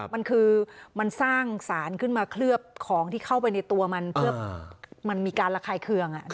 มันคือมันสร้างสารขึ้นมาเคลือบของที่เข้าไปในตัวมันเพื่อมันมีการระคายเคือง